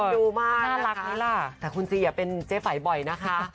ดูมากนะคะแต่คุณซีอย่าเป็นเจ๊ไฝ่บ่อยนะคะ